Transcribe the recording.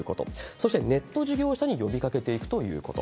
そしてネット事業者に呼びかけていくということ。